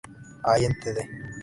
Allen Ltd.